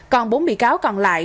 còn bốn bị cáo còn lại